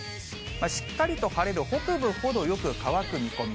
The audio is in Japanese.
しっかりと晴れる北部ほどよく乾く見込み。